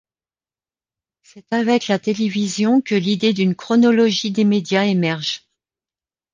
C'est avec la télévision que l'idée d'une chronologie des médias émerge.